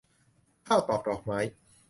ข้าวตอกดอกไม้